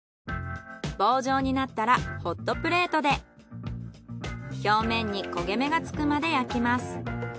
棒状になったらホットプレートで表面に焦げ目がつくまで焼きます。